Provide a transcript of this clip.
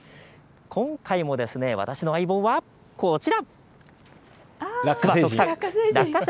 今回も私の相棒は、こちら。